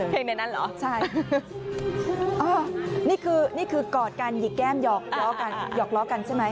เพลงในนั้นเหรอใช่นี่คือกอดกันหยิกแก้มหยอกล้อกันใช่ไหม